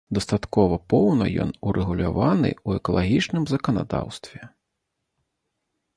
Дастаткова поўна ён урэгуляваны ў экалагічным заканадаўстве.